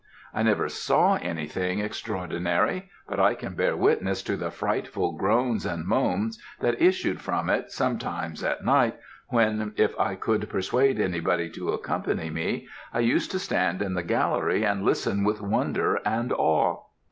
I never saw anything extraordinary, but I can bear witness to the frightful groans and moans that issued from it sometimes at night, when, if I could persuade anybody to accompany me, I used to stand in the gallery and listen with wonder and awe.